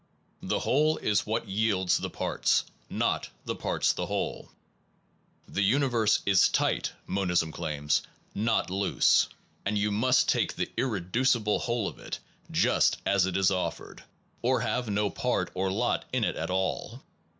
The whole is what yields the parts, not the parts the whole. The universe is tight, monism claims, not loose; and you must take the irreducible whole of it just as it is offered, or have no part or lot in it at all.